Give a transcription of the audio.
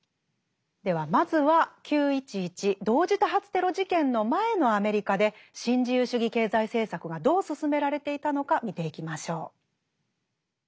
ではまずは９．１１同時多発テロ事件の前のアメリカで新自由主義経済政策がどう進められていたのか見ていきましょう。